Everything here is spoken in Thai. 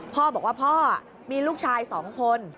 พ่อบอกว่าพ่อมีลูกชาย๒คน